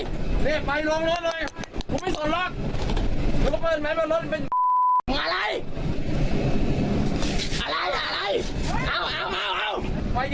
มนเริ่มว่ามันรอยเที่ยว